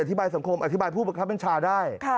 อธิบายสัมคมอธิบายผู้บัญชาได้